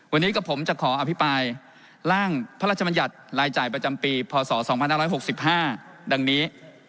วันนี้กับผมจะขออภิปรายร่างพระราชมัญญัติรายจ่ายประจำปีพศ๒๕๖๕ดังนี้